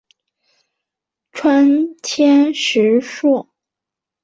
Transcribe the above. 川黔石栎